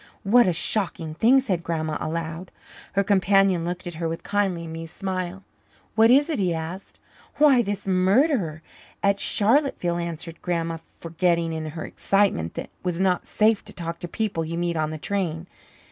"What a shocking thing!" said Grandma aloud. Her companion looked at her with a kindly, amused smile. "What is it?" he asked. "Why, this murder at Charlotteville," answered Grandma, forgetting, in her excitement, that it was not safe to talk to people you meet on the train.